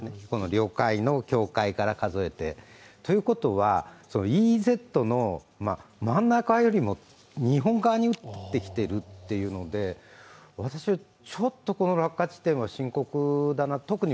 この領海の境界から数えて。ということは、ＥＥＺの真ん中よりも日本側に撃ってきているというので私、ちょっとこの落下地点は深刻だなと。